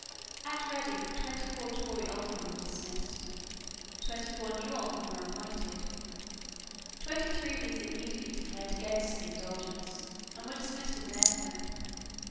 At Reading twenty four Tory aldermen were dismissed. Twenty four new aldermen were appointed. Twenty three of these immediately declared against the Indulgence, and were dismissed in their turn.